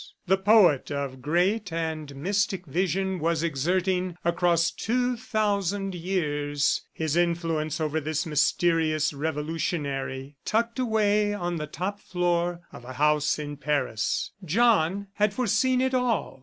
The poet of great and mystic vision was exerting, across two thousand years, his influence over this mysterious revolutionary, tucked away on the top floor of a house in Paris. John had foreseen it all.